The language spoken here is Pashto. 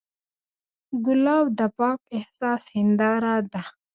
ګلاب د پاک احساس هنداره ده.